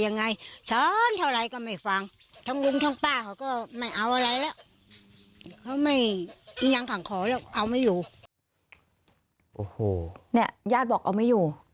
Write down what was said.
เนี่ยญาติบอกเอาไม่อยู่